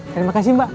terima kasih mbak